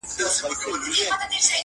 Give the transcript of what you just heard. نو زه له تاسره-